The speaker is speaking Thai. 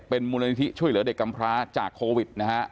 เป็นมูลนิธิช่วยเหลือเด็กกำพร้าจากโควิดนะฮะ